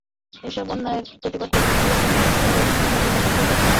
এসব অন্যায়ের প্রতিবাদ করতে গিয়ে স্থানীয়দের সঙ্গে বিজিবির সদস্যদের বাগ্বিতণ্ডার ঘটনা ঘটে।